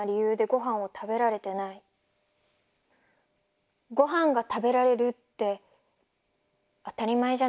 ごはんが食べられるって当たり前じゃないんだね。